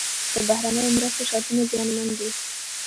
د بهرنیو مرستو شرطونه زیانمن دي.